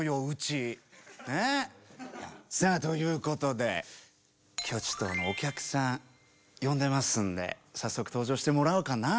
さあということで今日ちょっとお客さん呼んでますんで早速登場してもらおうかな。